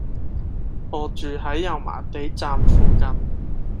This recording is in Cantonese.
我住喺油麻地站附近